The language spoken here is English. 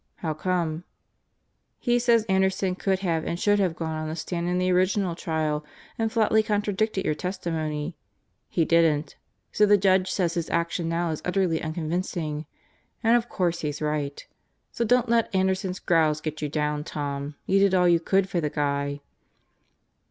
"How come?" "He says Anderson could have and should have gone on the stand in the original trial and flatly contradicted your testimony. He didn't. So the Judge says his action now is utterly unconvinc ing. And of course he's right. So don't let Anderson's growls get you down, Tom. You did all you could for the guy."